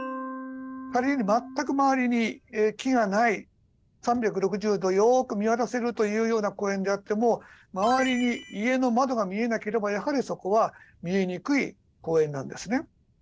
仮に全く周りに木がない３６０度よく見渡せるというような公園であっても周りに家の窓が見えなければやはりそこは見えにくい公園なんですね。